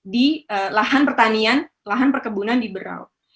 di lahan pertanian lahan perkebunan di berau